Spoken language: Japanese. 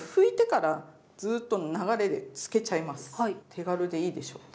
手軽でいいでしょ？